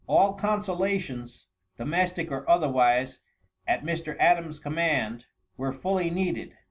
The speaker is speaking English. All consolations, domestic or otherwise, at Mr. Adam's command, were fully needed.